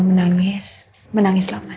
tidak ingin dicampur making keluar